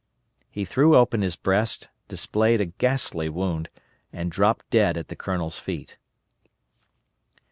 "_ He threw open his breast, displayed a ghastly wound, and dropped dead at the colonel's feet.